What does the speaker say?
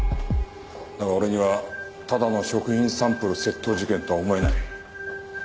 だが俺にはただの食品サンプル窃盗事件とは思えない。